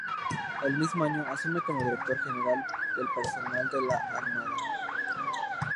El mismo año, asume como Director General del Personal de la Armada.